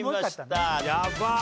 やばっ。